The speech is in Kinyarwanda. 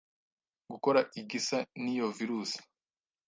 gukora igisa n'iyo virusi